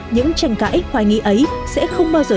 những tranh cãi hoài nghi ấy sẽ không bao giờ